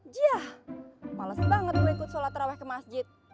jah males banget gue ikut sholat terawah ke masjid